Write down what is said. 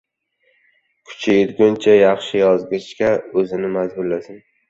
kuchi yetganicha yaxshi yozishga oʻzini majburlasin.